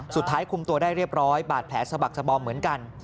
สุดท้ายคุมตัวได้เรียบร้อยบาดแผลสะบักสบอมเหมือนกัน